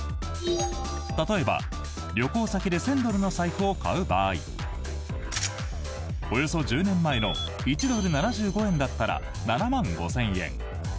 例えば、旅行先で１０００ドルの財布を買う場合およそ１０年前の１ドル＝７５円だったら７万５０００円。